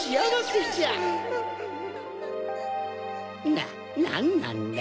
なんなんだ？